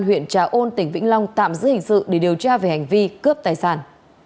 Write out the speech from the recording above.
huyện trà ôn tỉnh vĩnh long tạm giữ hình sự để điều tra về hành vi cướp tài sản